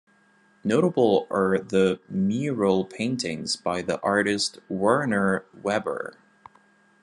Notable are the mural paintings by the artist Werner Weber.